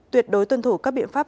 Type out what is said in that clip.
tuyệt đối tuân thủ các biện pháp